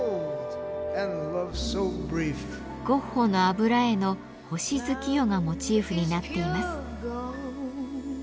ゴッホの油絵の「星月夜」がモチーフになっています。